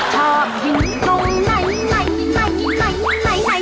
ชอบยิงตรงไหนไหนไหนไหนไหนไหน